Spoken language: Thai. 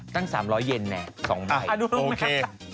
ตั้ง๓๐๐เยนแม่สองใหม่ดูรู้มั้ยค่ะ